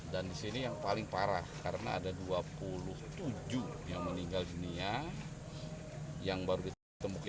di sini yang paling parah karena ada dua puluh tujuh yang meninggal dunia yang baru ditemukan